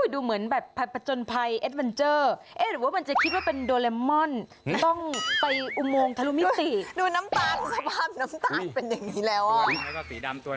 ดูน้ำตาลสภาพน้ำตาลเป็นอย่างงี้แล้วอะ